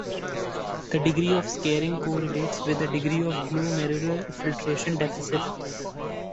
The degree of scarring correlates with the degree of glomerular filtration deficit.